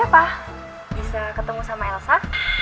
bisa ketemu sama elsa